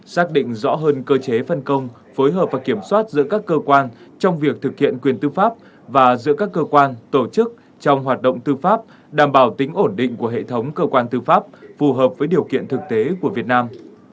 xác định rõ hơn cơ chế phân công phối hợp và kiểm soát giữa các cơ quan trong việc thực hiện quyền tư pháp và giữa các cơ quan tổ chức trong hoạt động tư pháp đảm bảo tính ổn định của hệ thống cơ quan tư pháp phù hợp với điều kiện thực tế của việt nam